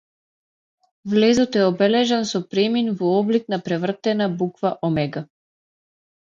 Влезот е обележан со премин во облик на превртена буква омега.